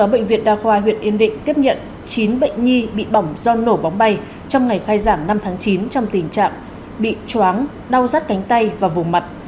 bệnh viện đa khoa huyện yên định tiếp nhận chín bệnh nhi bị bỏng do nổ bóng bay trong ngày khai giảng năm tháng chín trong tình trạng bị chóng đau rắt cánh tay và vùng mặt